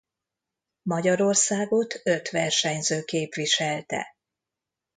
Magyarországot öt versenyző képviselte.